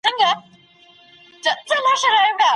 دوی به د غوښتنو د مغلوبولو لپاره په هوښیارۍ تکیه کړې وه.